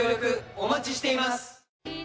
お待ちしています！